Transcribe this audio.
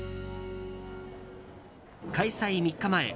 開催３日前。